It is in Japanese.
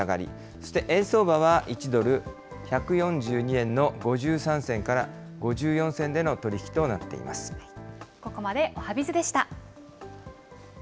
そして円相場は１ドル１４２円の５３銭から５４銭での取り引きとここまで、おはＢｉｚでした。